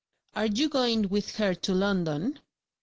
"Are you going with her to London?"